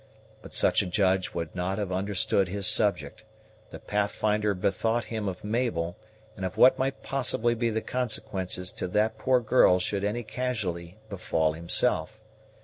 But such a judge would not have understood his subject; the Pathfinder bethought him of Mabel, and of what might possibly be the consequences to that poor girl should any casualty befall himself.